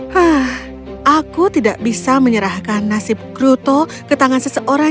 hah aku tidak bisa menyerahkan nasib kruto ke tangan seseorang